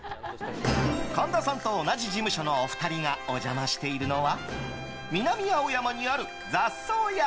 神田さんと同じ事務所のお二人がお邪魔しているのは南青山にある雑草家。